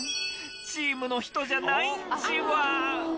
チームの人じゃないんじわ。